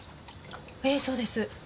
ええそうです。